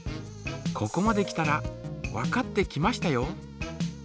ここまで来たらわかってきましたよ。